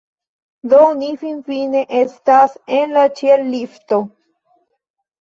Do ni finfine estas en la ĉiel-lifto